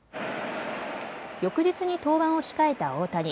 翌日に登板を控えた大谷。